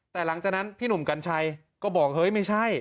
แต่หลังจากนั้นพี่หนุ่มกัญชัยก็บอกเฮ้ยไม่ใช่